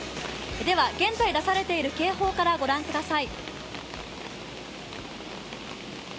現在出されている警報から御覧ください。